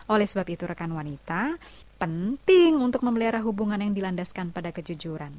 oleh sebab itu rekan wanita penting untuk memelihara hubungan yang dilandaskan pada kejujuran